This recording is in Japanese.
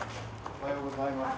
おはようございます。